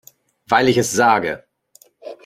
Weil ich es sage.